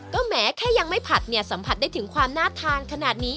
ก็แม้แค่ยังไม่ผัดเนี่ยสัมผัสได้ถึงความน่าทานขนาดนี้